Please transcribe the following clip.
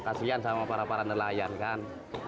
kasian sama para para nelayan kan